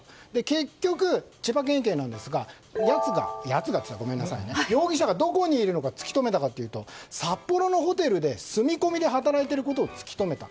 結局、千葉県警は容疑者がどこにいるかを突き止めたかっていうと札幌のホテルで住み込みで働いているのを突き止めた。